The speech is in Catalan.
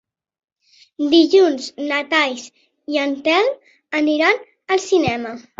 Dilluns na Thaís i en Telm aniran al cinema.